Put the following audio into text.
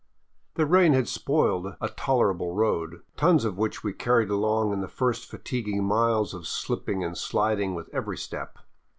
The rain had spoiled a tolerable road, tons of which we carried along in the first fatiguing miles of slipping and sliding with every step.